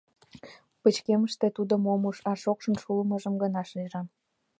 Пычкемышыште тудым ом уж, а шокшын шӱлымыжым гына шижам.